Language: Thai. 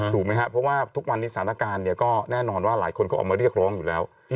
ถูกไหมครับเพราะว่าทุกวันนี้สถานการณ์ก็แน่นอนว่าหลายคนก็ออกมาเรียกร้องอยู่แล้ว